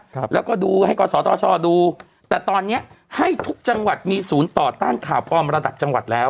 ครับแล้วก็ดูให้กศธชดูแต่ตอนเนี้ยให้ทุกจังหวัดมีศูนย์ต่อต้านข่าวปลอมระดับจังหวัดแล้ว